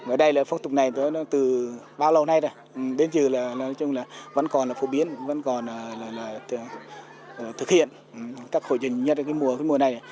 ở đây là phong tục này từ bao lâu nay rồi đến giờ là vẫn còn phổ biến vẫn còn thực hiện các khẩu trình nhất mùa này